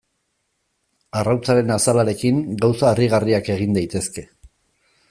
Arrautzaren azalarekin gauza harrigarriak egin daitezke.